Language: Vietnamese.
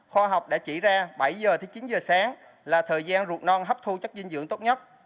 khoa học đã chỉ ra bảy h chín h sáng là thời gian ruột non hấp thu chất dinh dưỡng tốt nhất